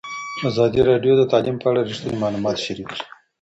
ازادي راډیو د تعلیم په اړه رښتیني معلومات شریک کړي.